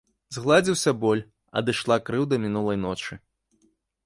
Згладзіўся боль, адышла крыўда мінулай ночы.